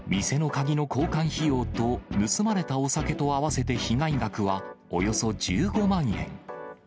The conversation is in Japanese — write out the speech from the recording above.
店の鍵の交換費用と盗まれたお酒と合わせて被害額はおよそ１５万円。